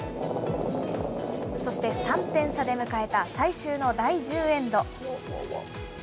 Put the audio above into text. そして３点差で迎えた最終の第１０エンド。